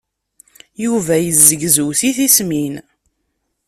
Yuba yezzegzew si tismin.